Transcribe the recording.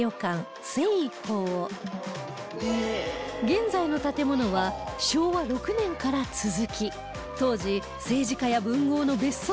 現在の建物は昭和６年から続き当時政治家や文豪の別荘地として人気だった